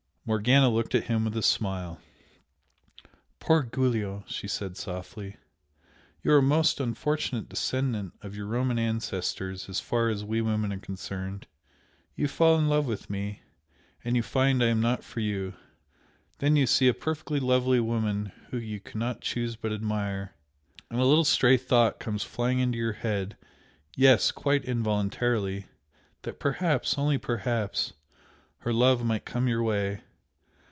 Morgana looked at him with a smile. "Poor Giulio!" she said, softly "You are a most unfortunate descendant of your Roman ancestors as far as we women are concerned! You fall in love with me and you find I am not for you! then you see a perfectly lovely woman whom you cannot choose but admire and a little stray thought comes flying into your head yes! quite involuntarily! that perhaps only perhaps her love might come your way!